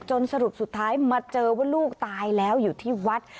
สรุปสุดท้ายมาเจอว่าลูกตายแล้วอยู่ที่วัด